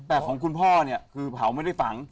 แต่ของคุณพ่อเนี่ยคือเผาไม่ได้ฝัง